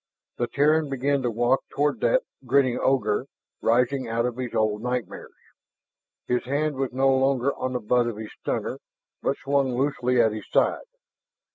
The Terran began to walk toward that grinning ogre rising out of his old nightmares. His hand was no longer on the butt of his stunner, but swung loosely at his side.